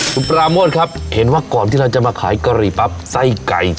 คุณปราโมทครับเห็นว่าก่อนที่เราจะมาขายกะหรี่ปั๊บไส้ไก่